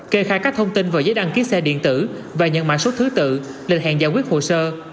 kê khai các thông tin về giấy đăng ký xe điện tử và nhận mạng số thứ tự lệnh hẹn giải quyết hộ sơ